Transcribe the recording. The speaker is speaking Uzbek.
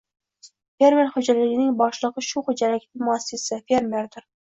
Fermer xoʼjaligining boshligʼi shu xoʼjalikning muassisi — fermerdir.